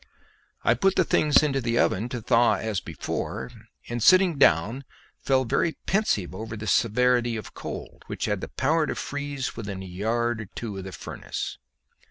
I put the things into the oven to thaw as before, and sitting down fell very pensive over this severity of cold, which had power to freeze within a yard or two of the furnace.